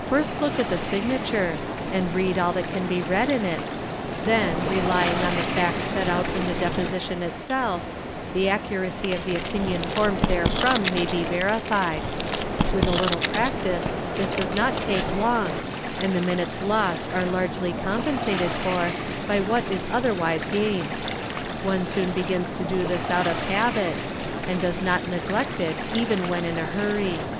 First look at the signature and read all that can be read in it, then, relying on the facts set out in the deposition itself, : me accuracy of the opinion formed therefrom may be verified; with a p 31 CERES Ee 242, THE EXPERT little practice this does not take long and the minutes lost are largely compensated for by what is otherwise gained; one soon begins to do this out of habit and does not neglect it even when in a hurry.